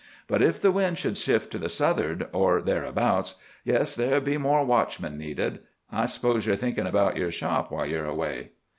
But if the wind should shift to the south'ard, or thereabouts, yes, there'd be more watchmen needed. I s'pose you're thinkin' about your shop while ye're away?"